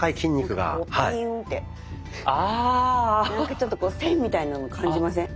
なんかちょっと線みたいなの感じません？